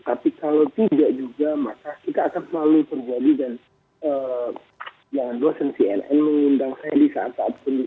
maka kita akan selalu terjadi dan yang dosen cln mengundang saya di saat saat kondisi selalu bermasalah panennya